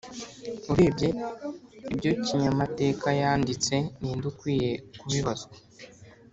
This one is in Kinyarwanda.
urebye ibyo kinyamatekayanditse, ninde ukwiye kubibazwa